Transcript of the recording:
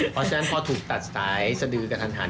เพราะฉะนั้นพอถูกตัดสายสะดือกันทัน